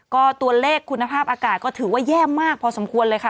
ก็ตัวเลขคุณภาพอากาศก็ถือว่าแย่มากพอสมควรเลยค่ะ